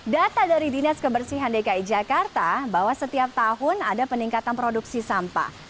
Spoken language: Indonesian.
data dari dinas kebersihan dki jakarta bahwa setiap tahun ada peningkatan produksi sampah